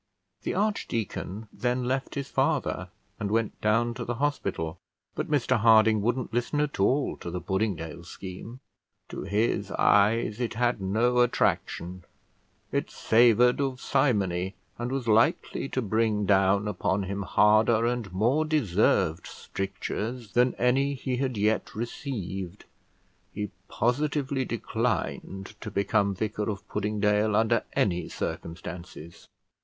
The archdeacon then left his father, and went down to the hospital; but Mr Harding wouldn't listen at all to the Puddingdale scheme. To his eyes it had no attraction; it savoured of simony, and was likely to bring down upon him harder and more deserved strictures than any he had yet received: he positively declined to become vicar of Puddingdale under any circumstances.